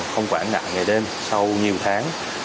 không quản ngại ngày đêm sau nhiều tháng